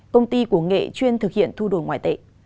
công ty của nghệ chuyên thực hiện thu đổi ngoại tệ